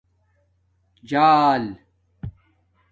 جݳل